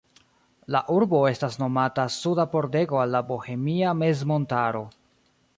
La urbo estas nomata "Suda pordego al la Bohemia mezmontaro".